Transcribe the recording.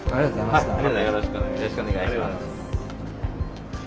またよろしくお願いします。